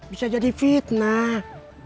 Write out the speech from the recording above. bisa jadi fitnah